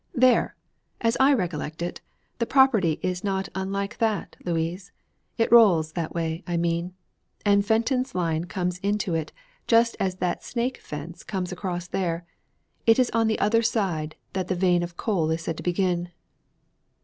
'There! As I recollect it, the property is not unlike that, Louise. It rolls that way, I mean; and Felton's line comes into it just as that snake fence comes across there. It is on the other side that the vein of coal is said to begin.'